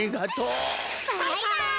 バイバイ！